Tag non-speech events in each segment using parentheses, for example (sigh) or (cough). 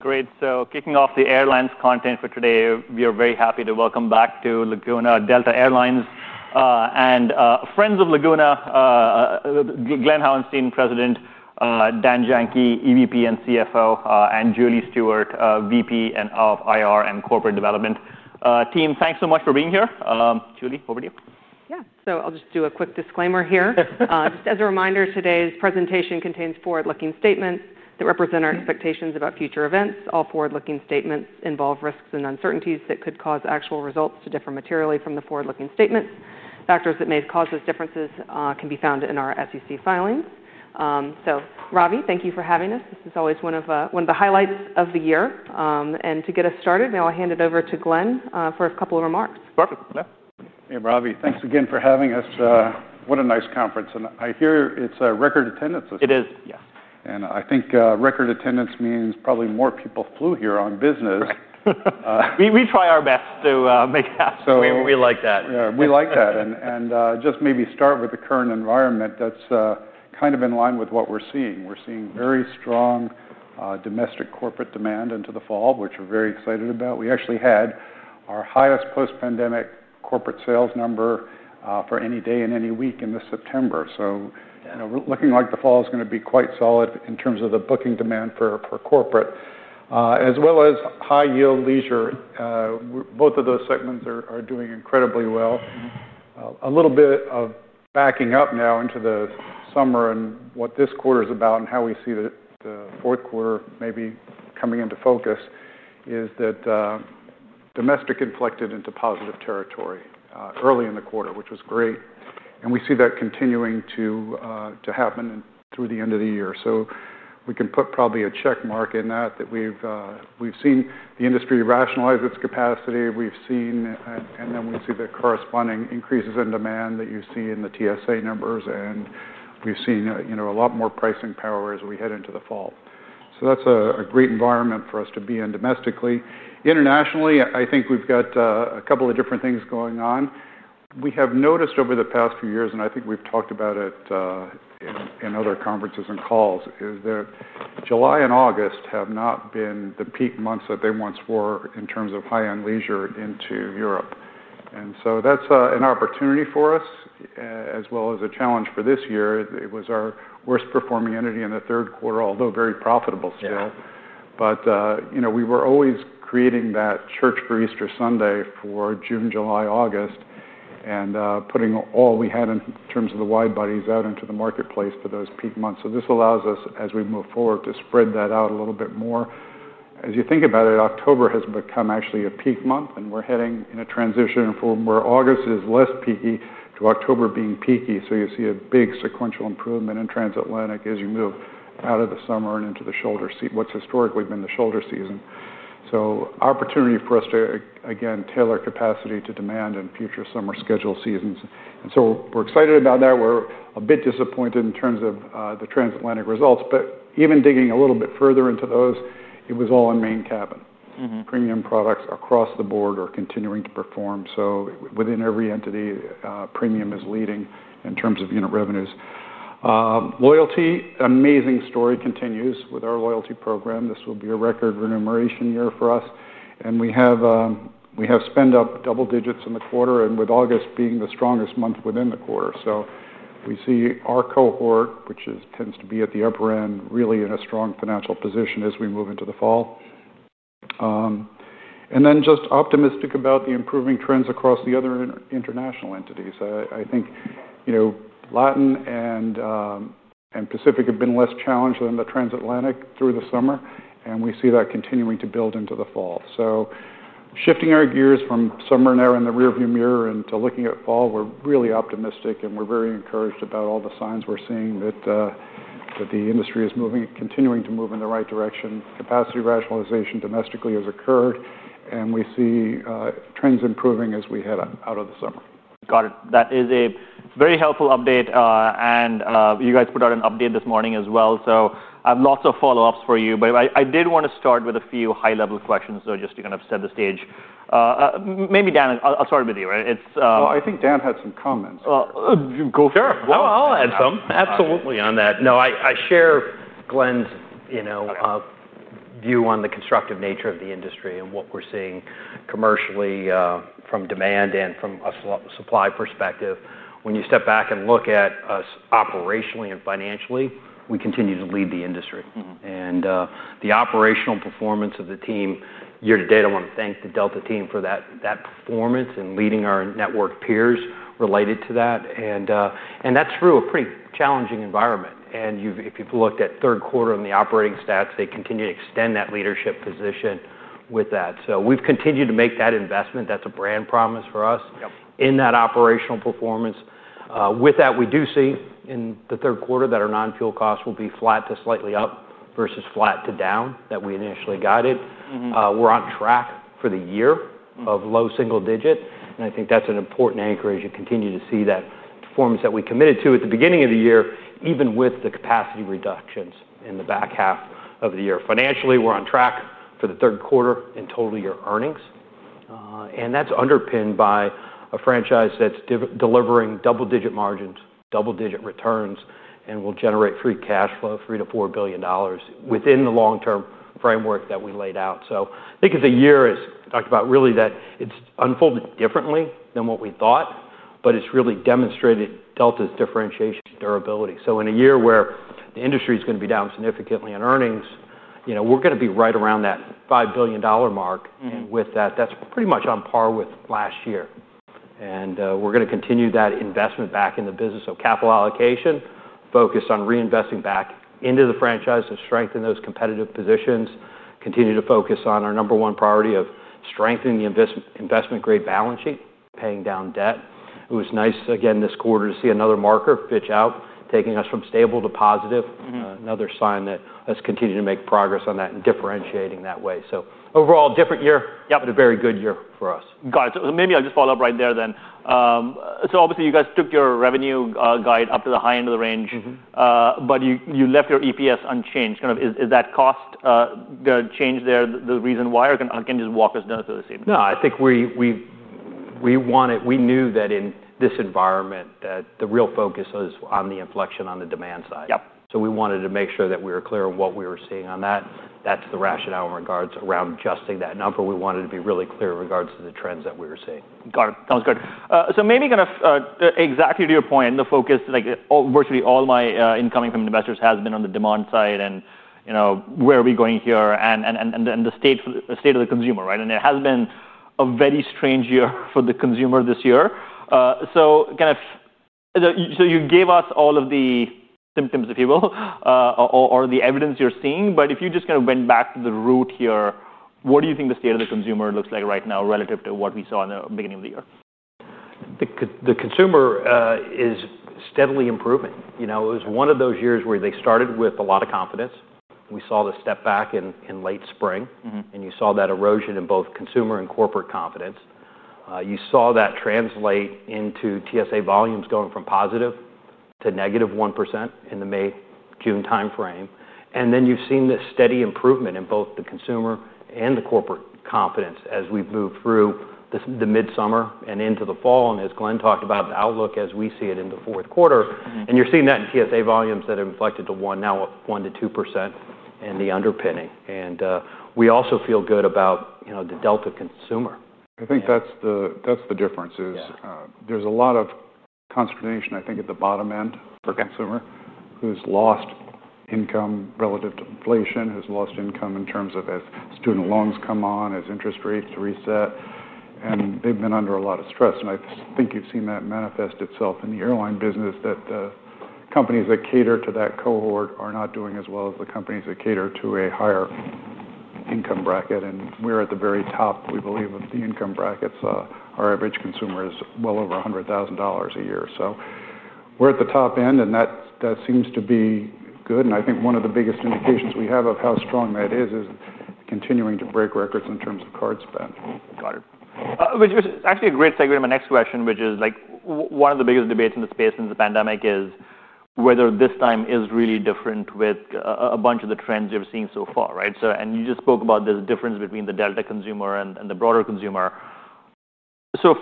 Great. Kicking off the Airlines content for today, we are very happy to welcome back to Laguna Delta Air Lines, and friends of Laguna, Glen Hauenstein, President, Dan Janki, EVP and CFO, and Julie Stewart, VP of IR and Corporate Development. Team, thanks so much for being here. Julie, over to you. Yeah. I'll just do a quick disclaimer here. Just as a reminder, today's presentation contains forward-looking statements that represent our expectations about future events. All forward-looking statements involve risks and uncertainties that could cause actual results to differ materially from the forward-looking statements. Factors that may cause those differences can be found in our SEC filings. Ravi, thank you for having us. This is always one of the highlights of the year. To get us started, now I'll hand it over to Glen for a couple of remarks. Perfect. Yeah. Hey, Ravi, thanks again for having us. What a nice conference. I hear it's a record attendance this year. It is, yeah. I think record attendance means probably more people flew here on business. Right. We try our best to make it happen. So. We like that. Yeah, we like that. Just maybe start with the current environment that's kind of in line with what we're seeing. We're seeing very strong domestic corporate demand into the fall, which we're very excited about. We actually had our highest post-pandemic corporate sales number for any day in any week in this September. You know, looking like the fall is going to be quite solid in terms of the booking demand for corporate, as well as high-yield leisure. Both of those segments are doing incredibly well. A little bit of backing up now into the summer and what this quarter is about and how we see the fourth quarter maybe coming into focus is that domestic inflected into positive territory early in the quarter, which was great. We see that continuing to happen through the end of the year. We can put probably a check mark in that, that we've seen the industry rationalize its capacity. We've seen, and then we see the corresponding increases in demand that you see in the TSA numbers. We've seen a lot more pricing power as we head into the fall. That's a great environment for us to be in domestically. Internationally, I think we've got a couple of different things going on. We have noticed over the past few years, and I think we've talked about it in other conferences and calls, that July and August have not been the peak months that they once were in terms of high-end leisure into Europe. That's an opportunity for us, as well as a challenge for this year. It was our worst performing entity in the third quarter, although very profitable still. Yeah. We were always creating that church for Easter Sunday for June, July, August, and putting all we had in terms of the widebodies out into the marketplace for those peak months. This allows us, as we move forward, to spread that out a little bit more. As you think about it, October has become actually a peak month, and we're heading in a transition from where August is less peaky to October being peaky. You see a big sequential improvement in Transatlantic as you move out of the summer and into what's historically been the shoulder season. There is opportunity for us to, again, tailor capacity to demand in future summer scheduled seasons. We're excited about that. We're a bit disappointed in terms of the Transatlantic results, but even digging a little bit further into those, it was all in main cabin. Mm-hmm. Premium products across the board are continuing to perform. Within every entity, premium is leading in terms of unit revenues. Loyalty, amazing story continues with our loyalty program. This will be a record remuneration year for us. We have spend up double digits in the quarter, with August being the strongest month within the quarter. We see our cohort, which tends to be at the upper end, really in a strong financial position as we move into the fall. I am optimistic about the improving trends across the other international entities. I think Latin and Pacific have been less challenged than the Transatlantic through the summer. We see that continuing to build into the fall. Shifting our gears from summer now in the rearview mirror and looking at fall, we're really optimistic and we're very encouraged about all the signs we're seeing that the industry is moving, continuing to move in the right direction. Capacity rationalization domestically has occurred, and we see trends improving as we head out of the summer. Got it. That is a very helpful update. You guys put out an update this morning as well. I have lots of follow-ups for you. I did want to start with a few high-level questions, though, just to kind of set the stage. Maybe Dan, I'll start with you. Right? It's, I think Dan had some comments (crosstalk) Go for it. I'll add some. Absolutely. I share Glen's view on the constructive nature of the industry and what we're seeing commercially, from demand and from a supply perspective. When you step back and look at us operationally and financially, we continue to lead the industry. Mm-hmm. The operational performance of the team year to date, I want to thank the Delta team for that performance and leading our network peers related to that. That's through a pretty challenging environment. If you've looked at third quarter in the operating stats, they continue to extend that leadership position with that. We've continued to make that investment. That's a brand promise for us. Yep. In that operational performance, with that, we do see in the third quarter that our non-fuel costs will be flat to slightly up versus flat to down that we initially guided. Mm-hmm. We're on track for the year. Mm-hmm. Of low single digit. I think that's an important anchor as you continue to see that performance that we committed to at the beginning of the year, even with the capacity reductions in the back half of the year. Financially, we're on track for the third quarter in total year earnings, and that's underpinned by a franchise that's delivering double-digit margins, double-digit returns, and will generate free cash flow, $3billion-$4 billion within the long-term framework that we laid out. I think as the year is talked about, really that it's unfolded differently than what we thought, but it's really demonstrated Delta's differentiation durability. In a year where the industry is going to be down significantly in earnings, you know, we're going to be right around that $5 billion mark. Mm-hmm. That's pretty much on par with last year. We're going to continue that investment back in the business of capital allocation, focused on reinvesting back into the franchise to strengthen those competitive positions, and continue to focus on our number one priority of strengthening the investment-grade balance sheet, paying down debt. It was nice, again, this quarter to see another marker pitch out, taking us from stable to positive. Mm-hmm. Another sign that us continuing to make progress on that and differentiating that way. Overall, different year. Yep. was a very good year for us. Got it. Maybe I'll just follow up right there then. Obviously, you guys took your revenue guide up to the high end of the range. Mm-hmm. You left your EPS unchanged. Is that cost, the change there, the reason why? Can you just walk us down to the seam? No, I think we wanted, we knew that in this environment that the real focus was on the inflection on the demand side. Yep. We wanted to make sure that we were clear on what we were seeing on that. That's the rationale in regards to adjusting that number. We wanted to be really clear in regards to the trends that we were seeing. Got it. Sounds good. Maybe kind of, exactly to your point and the focus, virtually all my incoming from investors has been on the demand side and, you know, where are we going here and the state of the consumer, right? It has been a very strange year for the consumer this year. You gave us all of the symptoms, if you will, or the evidence you're seeing. If you just kind of went back to the root here, what do you think the state of the consumer looks like right now relative to what we saw in the beginning of the year? The consumer is steadily improving. It was one of those years where they started with a lot of confidence. We saw the step back in late spring. Mm-hmm. You saw that erosion in both consumer and corporate confidence. You saw that translate into TSA volumes going from positive to - 1% in the May, June timeframe. You have seen this steady improvement in both the consumer and the corporate confidence as we've moved through the midsummer and into the fall, as Glen talked about the outlook as we see it in the fourth quarter. Mm-hmm. You're seeing that in TSA volumes that have inflected to now 1% - 2% in the underpinning. We also feel good about, you know, the Delta consumer. I think that's the difference. Yeah. There's a lot of consternation, I think, at the bottom end for consumer. Okay. Who's lost income relative to inflation, who's lost income in terms of as student loans come on, as interest rates reset. They've been under a lot of stress. I think you've seen that manifest itself in the airline business that the companies that cater to that cohort are not doing as well as the companies that cater to a higher income bracket. We're at the very top, we believe, of the income brackets. Our average consumer is well over $100,000 a year. We're at the top end, and that seems to be good. I think one of the biggest indications we have of how strong that is, is continuing to break records in terms of card spend. Got it. Which was actually a great segue to my next question, which is, like, one of the biggest debates in the space since the pandemic is whether this time is really different with a bunch of the trends you've seen so far, right? You just spoke about this difference between the Delta consumer and the broader consumer.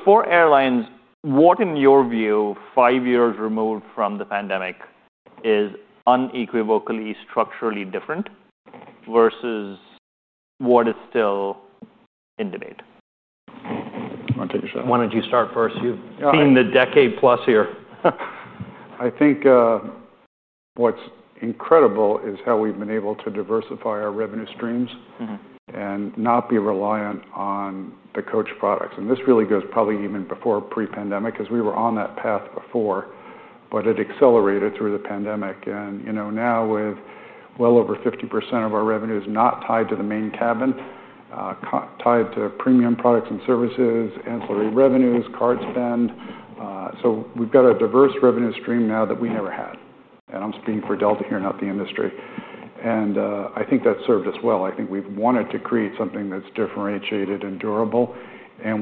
For airlines, what in your view, five years removed from the pandemic, is unequivocally structurally different versus what is still in debate? I want to take your shot. Why don't you start first? You've seen the decade plus here. I think what's incredible is how we've been able to diversify our revenue streams. Mm-hmm. Not be reliant on the coach products. This really goes probably even before pre-pandemic because we were on that path before, but it accelerated through the pandemic. Now with well over 50% of our revenues not tied to the main cabin, tied to premium products and services, ancillary revenues, card spend, we've got a diverse revenue stream now that we never had. I'm speaking for Delta Air Lines here, not the industry. I think that served us well. I think we've wanted to create something that's differentiated and durable.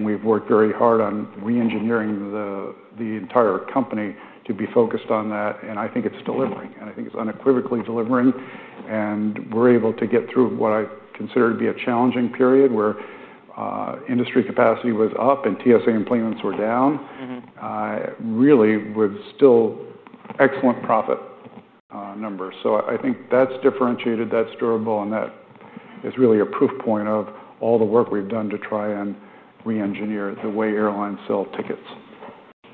We've worked very hard on re-engineering the entire company to be focused on that. I think it's delivering. I think it's unequivocally delivering. We're able to get through what I consider to be a challenging period where industry capacity was up and TSA employments were down. Mm-hmm. Really with still excellent profit numbers, I think that's differentiated, that's durable, and that is really a proof point of all the work we've done to try and re-engineer the way airlines sell tickets.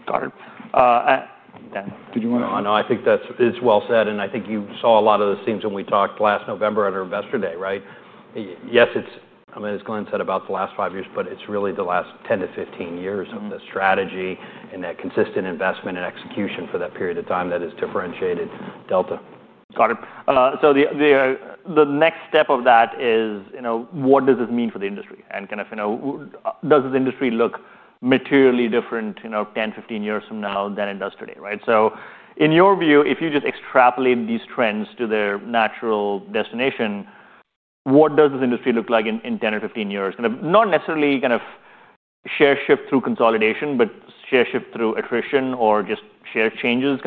Got it, Dan. Did you want to? I think that's well said. I think you saw a lot of the themes when we talked last November at our Investor Day, right? Yes, it's, I mean, as Glen said about the last five years, but it's really the last 10 years - 15 years of the strategy and that consistent investment and execution for that period of time that has differentiated Delta. Got it. The next step of that is, you know, what does this mean for the industry? What does this industry look materially different, you know, 10, 15 years from now than it does today, right? In your view, if you just extrapolate these trends to their natural destination, what does this industry look like in 10 or 15 years? Not necessarily share shift through consolidation, but share shift through attrition or just share changes.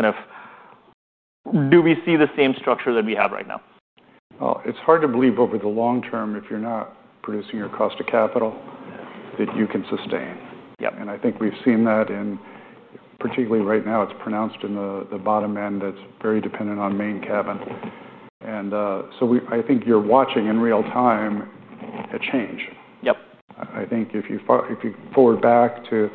Do we see the same structure that we have right now? It's hard to believe over the long term if you're not producing your cost of capital that you can sustain. Yep. I think we've seen that, particularly right now, it's pronounced in the bottom end. It's very dependent on main cabin. I think you're watching in real time a change. Yep. I think if you forward back to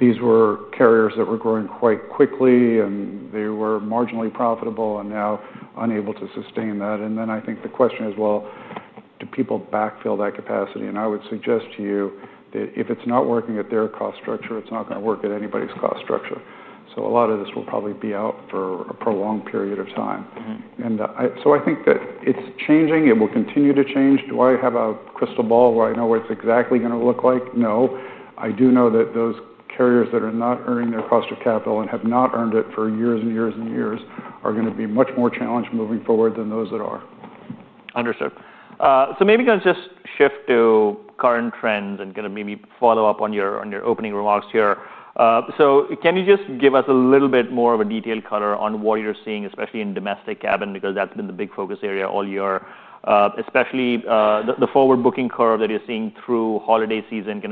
these were carriers that were growing quite quickly, and they were marginally profitable and now unable to sustain that. I think the question is, do people backfill that capacity? I would suggest to you that if it's not working at their cost structure, it's not going to work at anybody's cost structure. A lot of this will probably be out for a prolonged period of time. Mm-hmm. I think that it's changing. It will continue to change. Do I have a crystal ball where I know what it's exactly going to look like? No. I do know that those carriers that are not earning their cost of capital and have not earned it for years and years and years are going to be much more challenged moving forward than those that are. Understood. Maybe I'll just shift to current trends and kind of follow up on your opening remarks here. Can you just give us a little bit more of a detailed color on what you're seeing, especially in domestic cabin because that's been the big focus area all year, especially the forward booking curve that you're seeing through holiday season?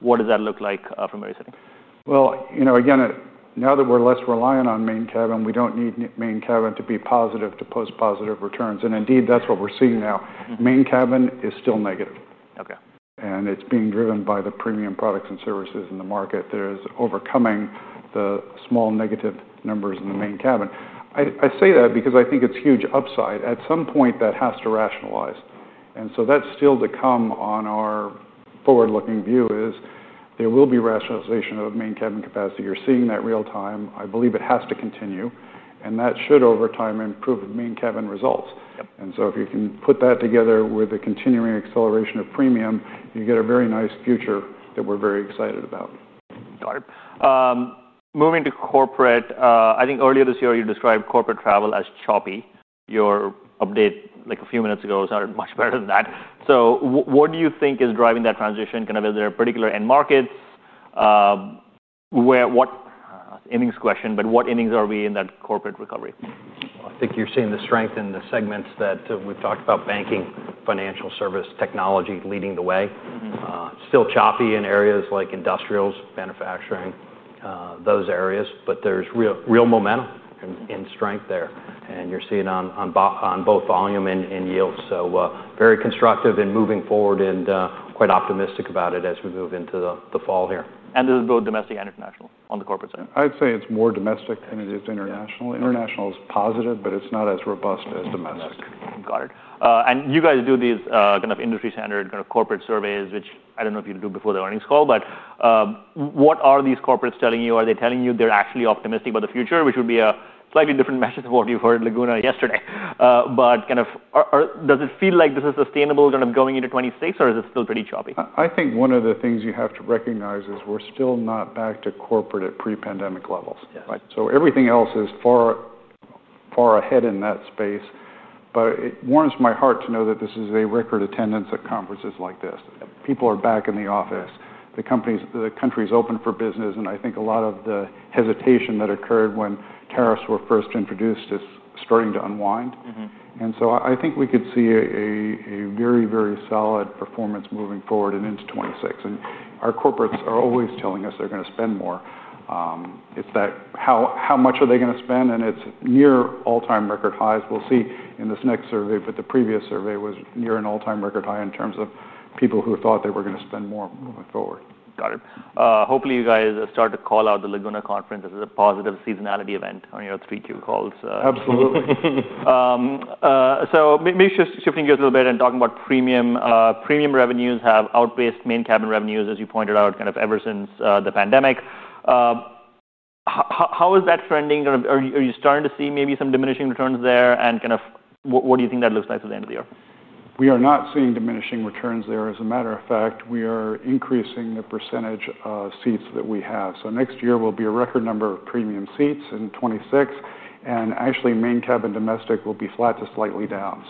What does that look like from where you're sitting? Now that we're less reliant on main cabin, we don't need main cabin to be positive to post-positive returns. Indeed, that's what we're seeing now. Mm-hmm. Main cabin is still negative. Okay. It's being driven by the premium products and services in the market that is overcoming the small negative numbers in the main cabin. I say that because I think it's huge upside. At some point, that has to rationalize. That is still to come on our forward-looking view; there will be rationalization of main cabin capacity. You're seeing that real time. I believe it has to continue. That should, over time, improve main cabin results. If you can put that together with a continuing acceleration of premium, you get a very nice future that we're very excited about. Got it. Moving to corporate, I think earlier this year you described corporate travel as choppy. Your update a few minutes ago sounded much better than that. What do you think is driving that transition? Is there a particular end market? What endings are we in that corporate recovery? I think you're seeing the strength in the segments that we've talked about: banking, financial services, technology leading the way. Mm-hmm. Still choppy in areas like industrials, manufacturing, those areas, but there's real, real momentum in strength there. You're seeing it on both volume and yield. Very constructive in moving forward and quite optimistic about it as we move into the fall here. Is this both domestic and international on the corporate side? I'd say it's more domestic than it is international. International is positive, but it's not as robust as domestic. Got it. You guys do these kind of industry standard corporate surveys, which I don't know if you do before the earnings call. What are these corporates telling you? Are they telling you they're actually optimistic about the future, which would be a slightly different message than what you heard at Laguna yesterday? Does it feel like this is sustainable going into 2026, or is it still pretty choppy? I think one of the things you have to recognize is we're still not back to corporate at pre-pandemic levels. Yeah. Everything else is far, far ahead in that space, but it warms my heart to know that this is a record attendance at conferences like this. People are back in the office. The companies, the country's open for business. I think a lot of the hesitation that occurred when tariffs were first introduced is starting to unwind. Mm-hmm. I think we could see a very, very solid performance moving forward and into 2026. Our corporates are always telling us they're going to spend more. It's that how, how much are they going to spend? It's year all-time record highs. We'll see in this next survey, but the previous survey was year and all-time record high in terms of people who thought they were going to spend more moving forward. Got it. Hopefully you guys start to call out the Laguna conference as a positive seasonality event on your three-Q calls. Absolutely. Maybe shifting gears a little bit and talking about premium. Premium revenues have outpaced main cabin revenues, as you pointed out, kind of ever since the pandemic. How is that trending? Are you starting to see maybe some diminishing returns there? What do you think that looks like for the end of the year? We are not seeing diminishing returns there. As a matter of fact, we are increasing the percentage of seats that we have. Next year will be a record number of premium seats in 2026. Actually, main cabin domestic will be flat to slightly down.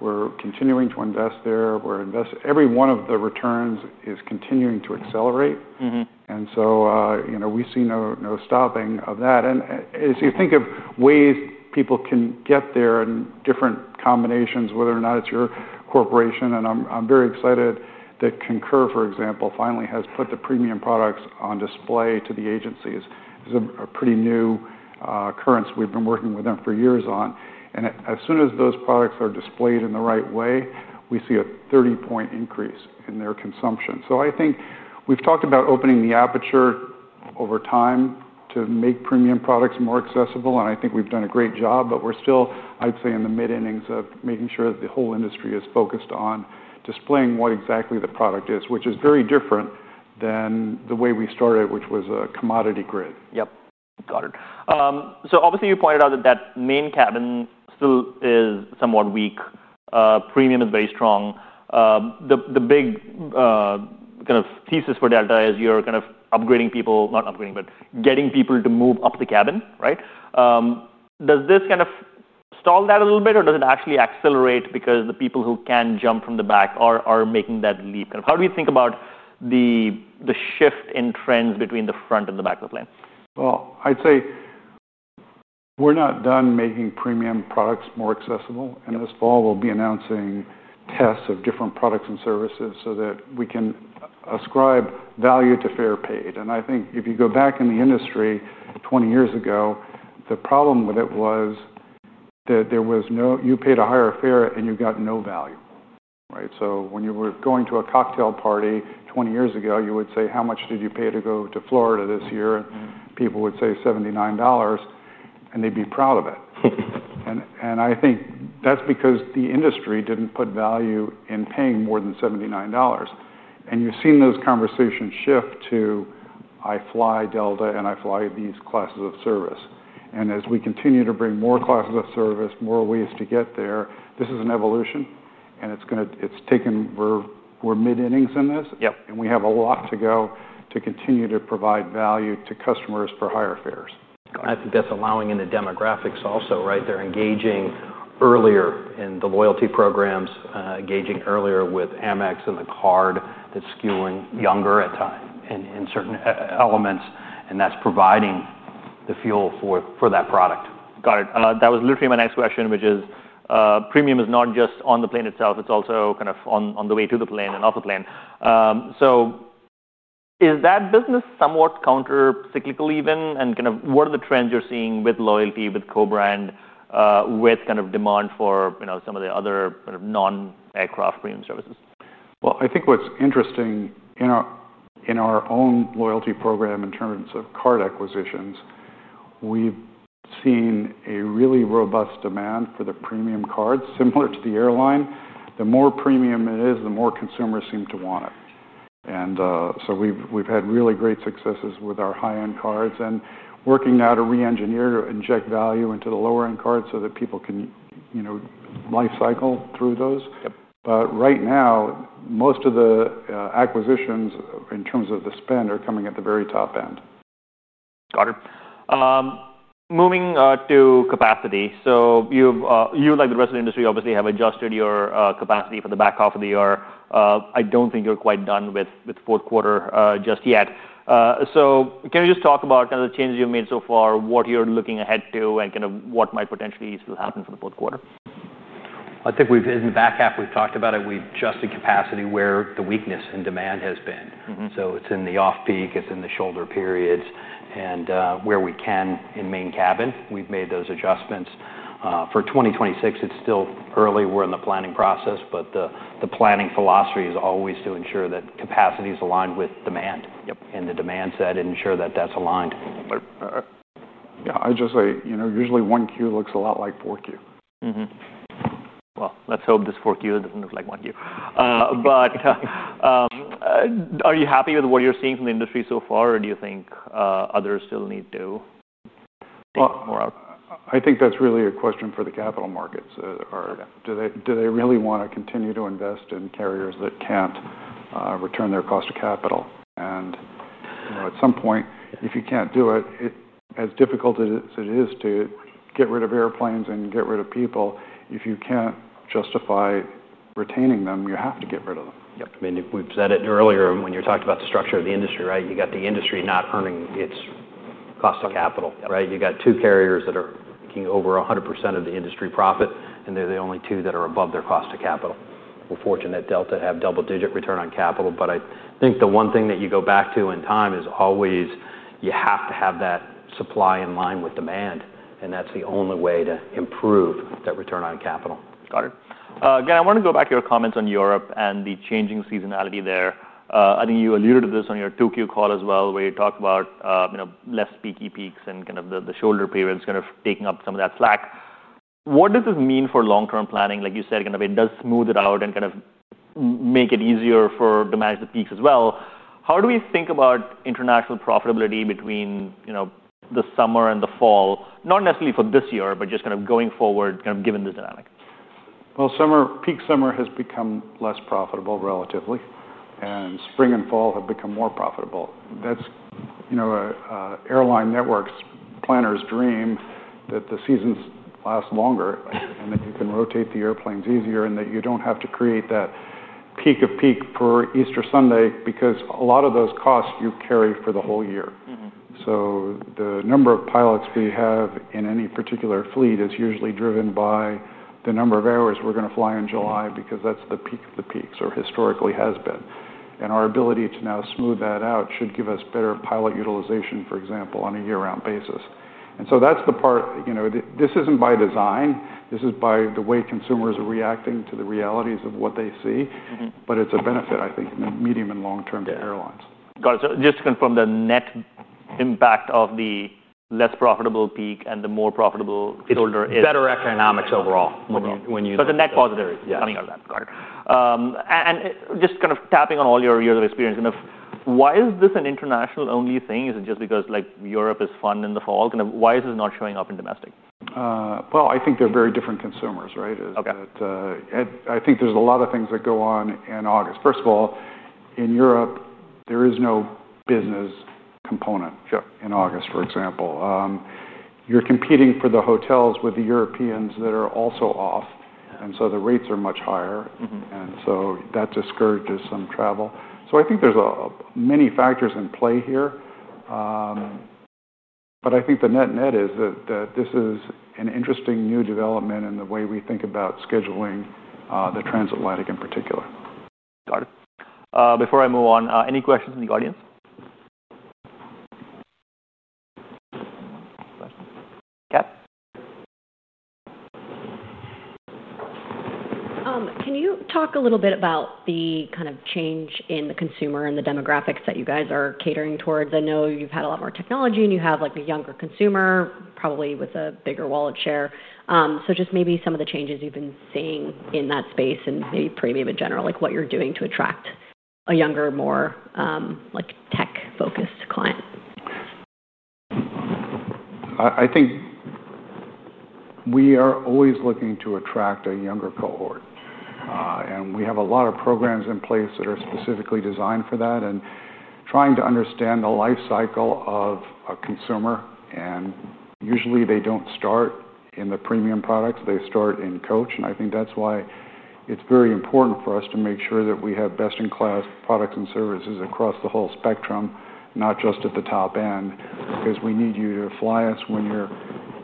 We are continuing to invest there. We're investing. Every one of the returns is continuing to accelerate. Mm-hmm. We see no stopping of that. As you think of ways people can get there in different combinations, whether or not it's your corporation, I'm very excited that Concur, for example, finally has put the premium products on display to the agencies. It's a pretty new occurrence we've been working with them for years on. As soon as those products are displayed in the right way, we see a 30-point increase in their consumption. I think we've talked about opening the aperture over time to make premium products more accessible. I think we've done a great job, but we're still, I'd say, in the mid-endings of making sure that the whole industry is focused on displaying what exactly the product is, which is very different than the way we started, which was a commodity grid. Yep. Got it. Obviously, you pointed out that that main cabin still is somewhat weak. Premium is very strong. The big, kind of thesis for Delta is you're kind of upgrading people, not upgrading, but getting people to move up the cabin, right? Does this kind of stall that a little bit, or does it actually accelerate because the people who can jump from the back are making that leap? Kind of how do you think about the shift in trends between the front and the back of the plane? We're not done making premium products more accessible. This fall, we'll be announcing tests of different products and services so that we can ascribe value to fare paid. I think if you go back in the industry 20 years ago, the problem with it was that there was no, you paid a higher fare and you got no value, right? When you were going to a cocktail party 20 years ago, you would say, "How much did you pay to go to Florida this year? Mm-hmm. People would say $79, and they'd be proud of it. I think that's because the industry didn't put value in paying more than $79. You've seen those conversations shift to, "I fly Delta and I fly these classes of service." As we continue to bring more classes of service, more ways to get there, this is an evolution. It's taken, we're mid-endings in this. Yep. We have a lot to go to continue to provide value to customers for higher fares. I think that's allowing in the demographics also, right? They're engaging earlier in the loyalty programs, engaging earlier with Amex and the card that's skewing younger at times in certain elements. That's providing the fuel for that product. Got it. That was literally my next question, which is, premium is not just on the plane itself. It's also kind of on the way to the plane and off the plane. Is that business somewhat countercyclical even? What are the trends you're seeing with loyalty, with co-brand, with kind of demand for, you know, some of the other kind of non-aircraft premium services? I think what's interesting in our own loyalty program in terms of card acquisitions, we've seen a really robust demand for the premium cards, similar to the airline. The more premium it is, the more consumers seem to want it. We've had really great successes with our high-end cards and working out a re-engineer to inject value into the lower-end cards so that people can, you know, life cycle through those. Yep. Right now, most of the acquisitions in terms of the spend are coming at the very top end. Got it. Moving to capacity. You, like the rest of the industry, obviously have adjusted your capacity for the back half of the year. I don't think you're quite done with fourth quarter just yet. Can you just talk about the changes you've made so far, what you're looking ahead to, and what might potentially still happen for the fourth quarter? I think in the back half, we've talked about it. We adjusted capacity where the weakness in demand has been. Mm-hmm. It's in the off-peak, it's in the shoulder periods, and where we can in main cabin, we've made those adjustments. For 2026, it's still early. We're in the planning process, but the planning philosophy is always to ensure that capacity is aligned with demand. Yep. The demand set and ensure that that's aligned. Yeah, I just say, you know, usually one queue looks a lot like four queue. Let's hope this four Q doesn't look like one Q. Are you happy with what you're seeing from the industry so far, or do you think others still need to think more out? I think that's really a question for the capital markets. Okay. Do they really want to continue to invest in carriers that can't return their cost of capital? You know, at some point, if you can't do it, as difficult as it is to get rid of airplanes and get rid of people, if you can't justify retaining them, you have to get rid of them. Yep. I mean, we've said it earlier when you're talking about the structure of the industry, right? You got the industry not earning its cost capital, right? Yep. You got two carriers that are making over 100% of the industry profit, and they're the only two that are above their cost of capital. We're fortunate that Delta had double-digit return on capital, but I think the one thing that you go back to in time is always you have to have that supply in line with demand. That's the only way to improve that return on capital. Got it. Again, I want to go back to your comments on Europe and the changing seasonality there. I think you alluded to this on your Q2 call as well, where you talked about less peaky peaks and the shoulder periods taking up some of that slack. What does this mean for long-term planning? Like you said, it does smooth it out and make it easier to manage the peaks as well. How do we think about international profitability between the summer and the fall, not necessarily for this year, but just going forward, given this dynamic? Summer, peak summer has become less profitable relatively, and spring and fall have become more profitable. That's an airline network planner's dream that the seasons last longer, that you can rotate the airplanes easier, and that you don't have to create that peak of peak per Easter Sunday because a lot of those costs you carry for the whole year. Mm-hmm. The number of pilots we have in any particular fleet is usually driven by the number of hours we're going to fly in July because that's the peak of the peaks or historically has been. Our ability to now smooth that out should give us better pilot utilization, for example, on a year-round basis. That's the part, you know, this isn't by design. This is by the way consumers are reacting to the realities of what they see. Mm-hmm. It is a benefit, I think, in the medium and long term for airlines. Got it. Just to confirm, the net impact of the less profitable peak and the more profitable shoulder is better economics overall when you..The net positive is coming out of that. Got it. Just kind of tapping on all your years of experience, kind of why is this an international-only thing? Is it just because, like, Europe is fun in the fall? Kind of why is this not showing up in domestic? I think they're very different consumers, right? Okay. I think there's a lot of things that go on in August. First of all, in Europe, there is no business component in August, for example. You're competing for the hotels with the Europeans that are also off, and the rates are much higher. Mm-hmm. That discourages some travel. I think there's many factors in play here, but I think the net-net is that this is an interesting new development in the way we think about scheduling, the transatlantic in particular. Got it. Before I move on, any questions from the audience? Can you talk a little bit about the kind of change in the consumer and the demographics that you guys are catering towards? I know you've had a lot more technology and you have like a younger consumer, probably with a bigger wallet share. Just maybe some of the changes you've been seeing in that space and maybe premium in general, like what you're doing to attract a younger, more, like tech-focused client. I think we are always looking to attract a younger cohort. We have a lot of programs in place that are specifically designed for that and trying to understand the life cycle of a consumer. Usually, they don't start in the premium products. They start in coach. I think that's why it's very important for us to make sure that we have best-in-class products and services across the whole spectrum, not just at the top end. We need you to fly us when you're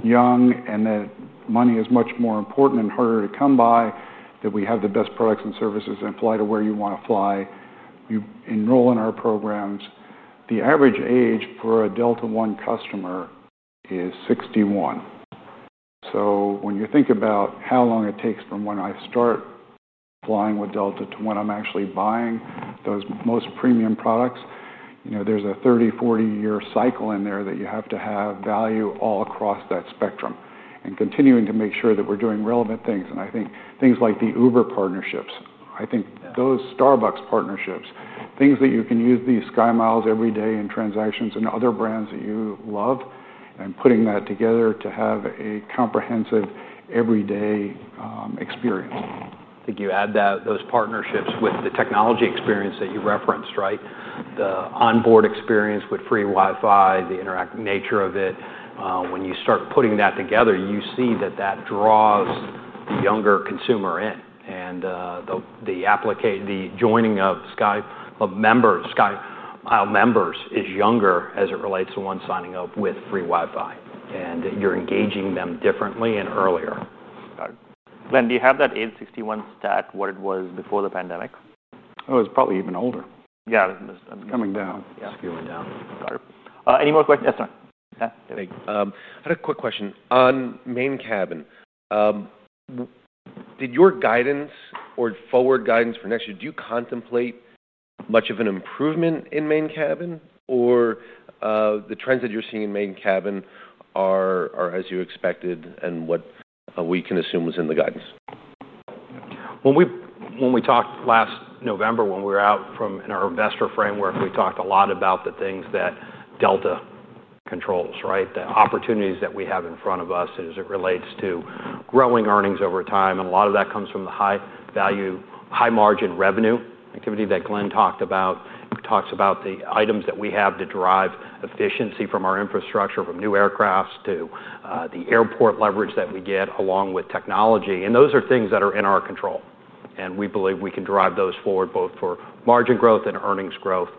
young and that money is much more important and harder to come by, that we have the best products and services and fly to where you want to fly. You enroll in our programs. The average age for a Delta One customer is 61. When you think about how long it takes from when I start flying with Delta to when I'm actually buying those most premium products, there's a 30, 40-year cycle in there that you have to have value all across that spectrum and continuing to make sure that we're doing relevant things. I think things like the Uber partnerships, those Starbucks partnerships, things that you can use the SkyMiles every day in transactions and other brands that you love, and putting that together to have a comprehensive everyday experience. I think you add that those partnerships with the technology experience that you referenced, right? The onboard experience with free Wi-Fi, the interactive nature of it. When you start putting that together, you see that that draws the younger consumer in. The application, the joining of SkyMiles, members is younger as it relates to one signing up with free Wi-Fi. You're engaging them differently and earlier. Got it. Glen, do you have that age 61 stat, what it was before the pandemic? Oh, it was probably even older. Yeah.Coming down. Yeah.It's fueling down. Got it. Any more questions? Yes, sir. Thank you.I had a quick question. On main cabin, did your guidance or forward guidance for next year contemplate much of an improvement in main cabin, or are the trends that you're seeing in main cabin as you expected and what we can assume was in the guidance? When we talked last November, when we were out from in our investor framework, we talked a lot about the things that Delta controls, right? The opportunities that we have in front of us as it relates to growing earnings over time. A lot of that comes from the high value, high margin revenue activity that Glen talked about. He talks about the items that we have to drive efficiency from our infrastructure, from new aircraft to the airport leverage that we get along with technology. Those are things that are in our control. We believe we can drive those forward both for margin growth and earnings growth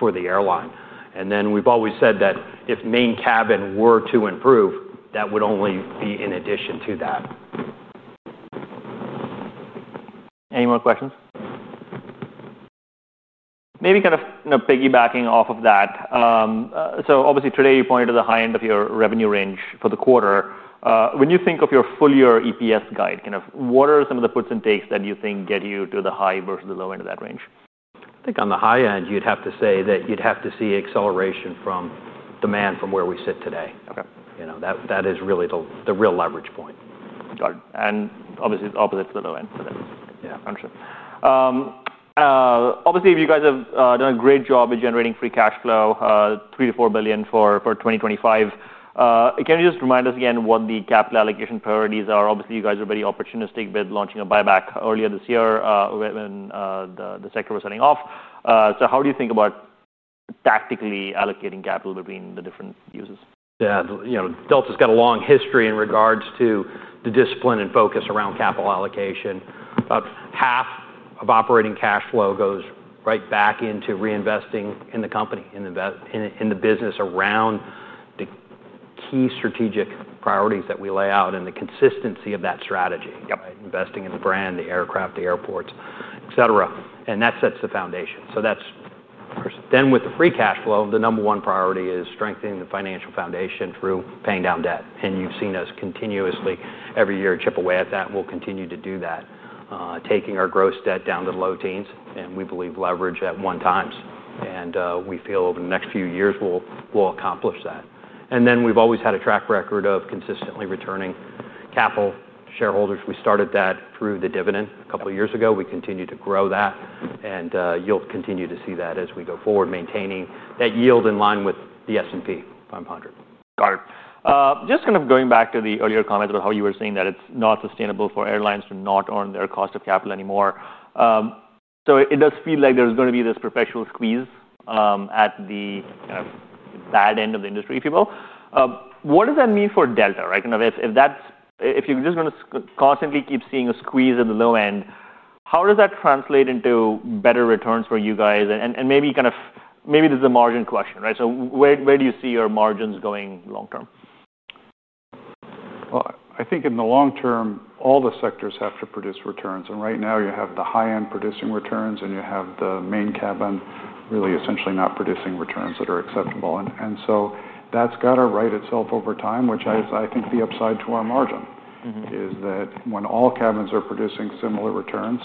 for the airline. We've always said that if main cabin were to improve, that would only be in addition to that. Any more questions? Maybe piggybacking off of that, obviously today you pointed to the high end of your revenue range for the quarter. When you think of your full-year EPS guide, what are some of the puts and takes that you think get you to the high versus the low end of that range? I think on the high end, you'd have to say that you'd have to see acceleration from demand from where we sit today. Okay. You know, that is really the real leverage point. Got it. Obviously, the opposite for the low end. That's, yeah, understood. Obviously, you guys have done a great job at generating free cash flow, $3 billion - $4 billion for 2025. Can you just remind us again what the capital allocation priorities are? Obviously, you guys are very opportunistic with launching a buyback earlier this year, when the sector was turning off. How do you think about tactically allocating capital between the different uses? Yeah, you know, Delta's got a long history in regards to the discipline and focus around capital allocation. About half of operating cash flow goes right back into reinvesting in the company, in the business around the key strategic priorities that we lay out and the consistency of that strategy. Yep. Investing in the brand, the aircraft, the airports, et cetera, sets the foundation. Of course, with the free cash flow, the number one priority is strengthening the financial foundation through paying down debt. You've seen us continuously every year chip away at that, and we'll continue to do that, taking our gross debt down to the low teens. We believe leverage at one time, and we feel over the next few years we'll accomplish that. We've always had a track record of consistently returning capital to shareholders. We started that through the dividend a couple of years ago, and we continue to grow that. You'll continue to see that as we go forward, maintaining that yield in line with the S&P 500. Got it. Just kind of going back to the earlier comments about how you were saying that it's not sustainable for airlines to not earn their cost of capital anymore. It does feel like there's going to be this perpetual squeeze, at the kind of bad end of the industry, if you will. What does that mean for Delta, right? Kind of if that's, if you're just going to constantly keep seeing a squeeze at the low end, how does that translate into better returns for you guys? Maybe this is a margin question, right? Where do you see your margins going long term? I think in the long term, all the sectors have to produce returns. Right now you have the high-end producing returns and you have the main cabin really essentially not producing returns that are acceptable. That's got to write itself over time, which I think the upside to our margin. Mm-hmm. When all cabins are producing similar returns,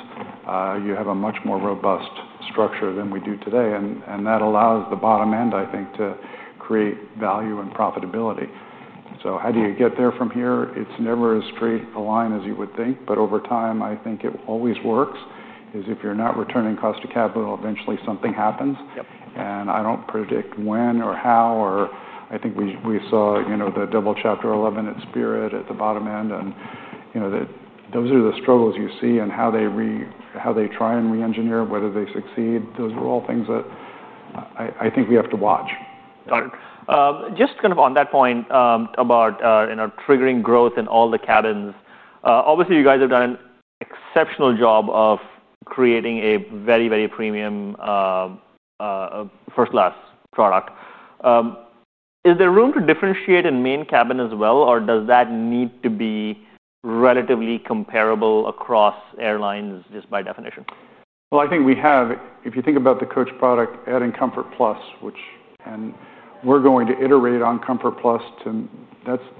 you have a much more robust structure than we do today. That allows the bottom end, I think, to create value and profitability. How do you get there from here? It's never as straight a line as you would think. Over time, I think it always works if you're not returning cost of capital, eventually something happens. Yep. I don't predict when or how. I think we saw the double Chapter 11 at Spirit at the bottom end. Those are the struggles you see and how they re-engineer, whether they succeed. Those are all things that I think we have to watch. Got it. Just kind of on that point, about triggering growth in all the cabins, obviously you guys have done an exceptional job of creating a very, very premium, first-class product. Is there room to differentiate in main cabin as well, or does that need to be relatively comparable across airlines just by definition? I think we have, if you think about the coach product, adding Comfort Plus, which, and we're going to iterate on Comfort Plus to,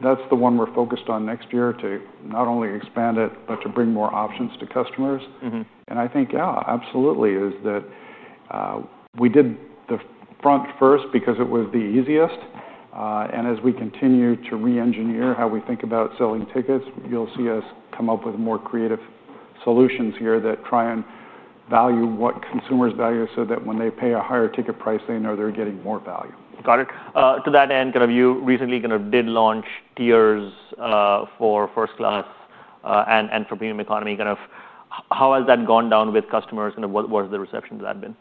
that's the one we're focused on next year to not only expand it, but to bring more options to customers. Mm-hmm. Absolutely, we did the front first because it was the easiest. As we continue to re-engineer how we think about selling tickets, you'll see us come up with more creative solutions here that try and value what consumers value so that when they pay a higher ticket price, they know they're getting more value. Got it. To that end, you recently did launch tiers for first class and for premium economy. How has that gone down with customers, and what's the reception to that been?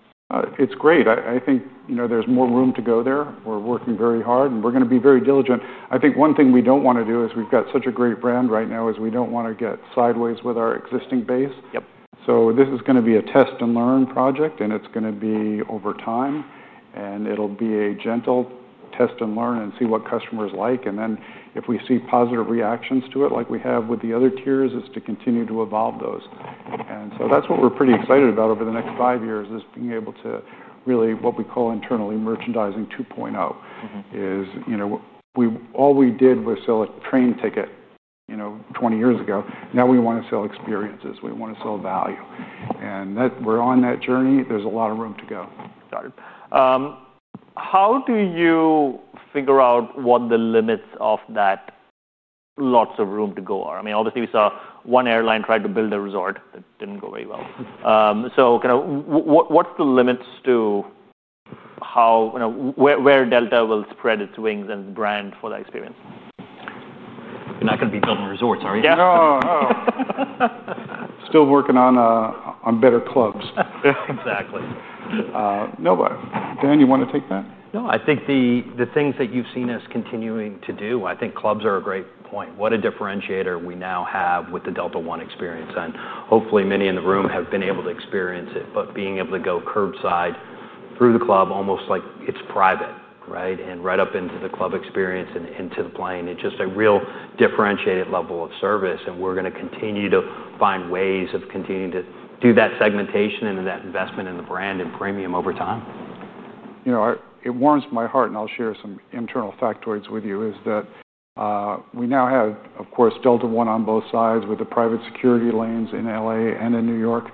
It's great. I think there's more room to go there. We're working very hard, and we're going to be very diligent. I think one thing we don't want to do is we've got such a great brand right now, we don't want to get sideways with our existing base. Yep. This is going to be a test and learn project, and it's going to be over time. It'll be a gentle test and learn and see what customers like. If we see positive reactions to it, like we have with the other tiers, it is to continue to evolve those. That's what we're pretty excited about over the next five years, being able to really, what we call internally, merchandising 2.0. Mm-hmm. All we did was sell a train ticket, you know, 20 years ago. Now we want to sell experiences. We want to sell value. We're on that journey. There's a lot of room to go. Got it. How do you figure out what the limits of that lots of room to go are? I mean, obviously we saw one airline try to build a resort that didn't go very well. Kind of what's the limits to how, you know, where Delta will spread its wings and brand for that experience? I can beat them on resorts, are you? No, still working on better clubs. Exactly. No, but Dan, you want to take that? No, I think the things that you've seen us continuing to do, I think clubs are a great point. What a differentiator we now have with the Delta One experience. Hopefully many in the room have been able to experience it. Being able to go curbside through the club, almost like it's private, right? Right up into the club experience and into the plane, it's just a real differentiated level of service. We're going to continue to find ways of continuing to do that segmentation and that investment in the brand and premium over time. You know, it warms my heart, and I'll share some internal factoids with you, is that we now have, of course, Delta One on both sides with the private security lanes in LA and in New York.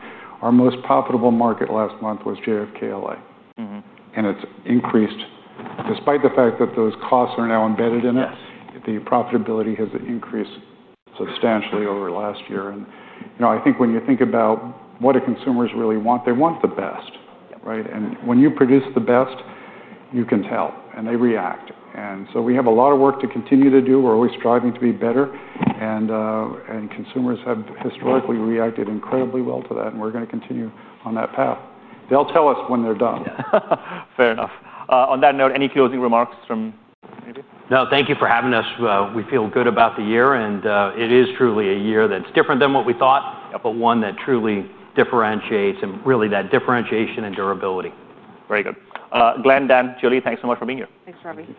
Our most profitable market last month was JFK LA. Mm-hmm. It's increased despite the fact that those costs are now embedded in it. The profitability has increased substantially over the last year. You know, I think when you think about what consumers really want, they want the best, right? When you produce the best, you can tell. They react. We have a lot of work to continue to do. We're always striving to be better. Consumers have historically reacted incredibly well to that. We're going to continue on that path. They'll tell us when they're done. Fair enough. On that note, any closing remarks from any of you? No, thank you for having us. We feel good about the year. It is truly a year that's different than what we thought, but one that truly differentiates and really that differentiation and durability. Very good. Glen, Dan, Julie, thanks so much for being here. Thanks, Ravi.